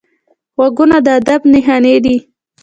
غوږونه د ادب نښانې دي